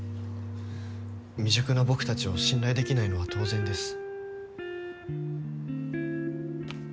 未熟な僕たちを信頼できないのは当然です。